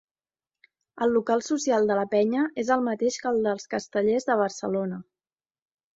El local social de la penya és el mateix que el dels Castellers de Barcelona.